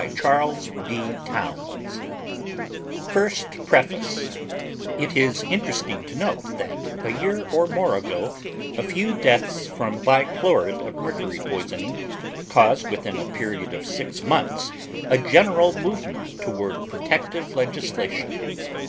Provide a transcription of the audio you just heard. Published, August, 1915 PREFACE It is interesting to note that a year or more ago a few deaths from bichlorid of mercury poisoning caused within a period of six months a general movement toward protective legislation.